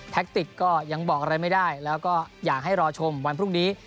ติกก็ยังบอกอะไรไม่ได้แล้วก็อยากให้รอชมวันพรุ่งนี้